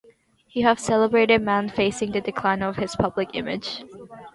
You have a celebrated man facing the decline of his public image.